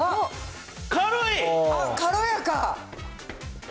軽やか。